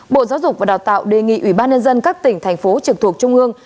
bộ giáo dục và đào tạo đề nghị ủy ban nhân dân các tỉnh thành phố trực thuộc trung ương